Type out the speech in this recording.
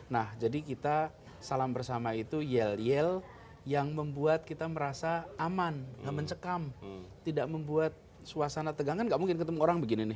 nah jadi kita salam bersama itu yel yel yang membuat kita merasa aman nggak mencekam tidak membuat suasana tegangan nggak mungkin ketemu orang begini nih